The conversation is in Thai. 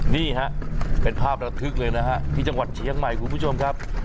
นี่ฮะเป็นภาพระทึกเลยนะฮะที่จังหวัดเชียงใหม่คุณผู้ชมครับ